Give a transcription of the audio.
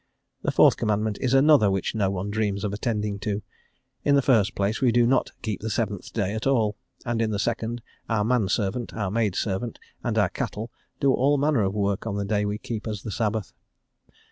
The fourth Commandment is another which no one dreams of attending to; in the first place, we do not keep the seventh day at all, and in the second, our man servant, our maid servant and our cattle do all manner of work on the day we keep as the Sabbath.